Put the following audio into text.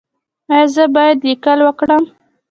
ایا زه باید لیکل وکړم؟